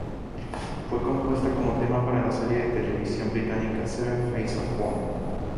Fue compuesta como tema para la serie de televisión británica "Seven Faces of Woman".